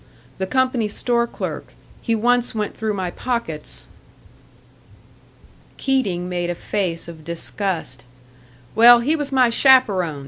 "The company store clerk; he once went through my pockets." Keating made a face of disgust. "Well, he was my chaperon.